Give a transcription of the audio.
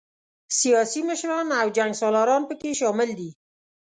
سیاسي مشران او جنګ سالاران پکې شامل دي.